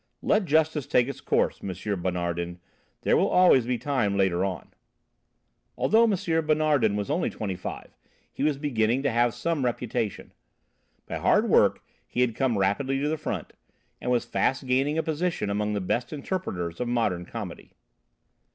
"Let justice take its course, M. Bonardin. There will always be time later on." Although M. Bonardin was only twenty five, he was beginning to have some reputation. By hard work he had come rapidly to the front, and was fast gaining a position among the best interpreters of modern comedy.